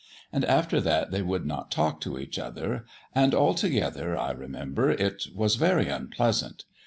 And after that they would not talk to each other, and, altogether, I remember, it was very unpleasant.